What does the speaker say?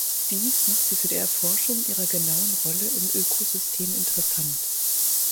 Dies macht sie für die Erforschung ihrer genauen Rolle im Ökosystem interessant.